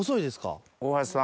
大橋さん。